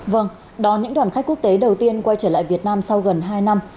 vâng đó những đoàn khách quốc tế đầu tiên quay trở lại việt nam sau gần hai năm